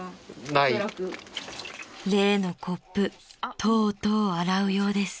［例のコップとうとう洗うようです］